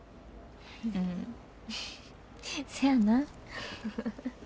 うんせやな。